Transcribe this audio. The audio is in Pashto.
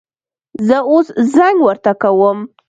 زه اوس زنګ ورته کوم